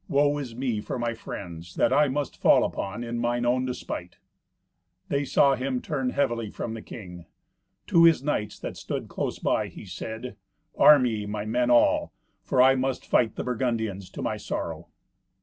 Woe is me for my friends, that I must fall upon in mine own despite!" They saw him turn heavily from the king. To his knights that stood close by, he said, "Arm ye, my men all. For I must fight the Burgundians, to my sorrow."